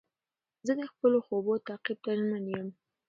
زه د خپلو خوبو تعقیب ته ژمن یم.